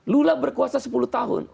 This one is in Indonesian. lula berkuasa sepuluh tahun